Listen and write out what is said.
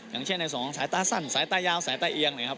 อย่างเช่นในสองสายตาสั้นสายตายาวสายตาเอียงเนี่ยครับ